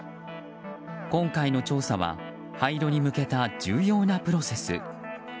今回の調査は廃炉に向けた重要なプロセス。